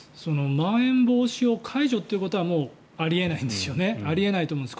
まん延防止を解除ということはもうあり得ないんですね。